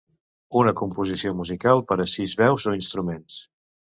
Una composició musical per a sis veus o instruments